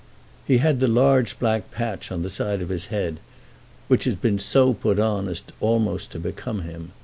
He had the large black patch on the side of his head, which had been so put on as almost to become him.